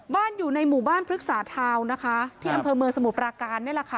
อยู่ในหมู่บ้านพฤกษาทาวน์นะคะที่อำเภอเมืองสมุทรปราการนี่แหละค่ะ